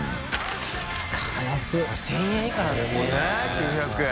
９００円。